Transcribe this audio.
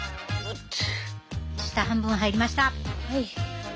下半分入りました。